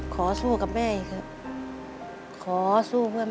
สู้กับแม่อีกครับขอสู้เพื่อแม่